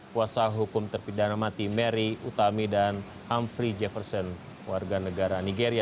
kuasa hukum terpidana mati mary utami dan amphree jefferson warga negara nigeria